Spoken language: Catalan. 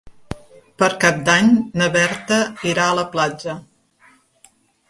Per Cap d'Any na Berta irà a la platja.